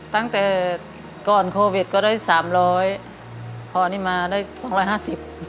ตั้งแต่ก่อนโควิดก็ได้สามร้อยพอนี่มาได้สองร้อยห้าสิบ